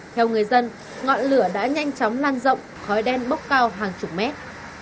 theo người dân ngọn lửa đã nhanh chóng lan rộng khói đen bốc cao hàng chục mét